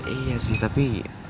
iya sih tapi